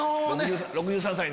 ６３歳ね。